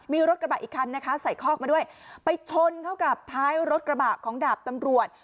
มีรถกระบะอีกคันนะคะใส่คอกมาด้วยไปชนเข้ากับท้ายรถกระบะของดาบตำรวจ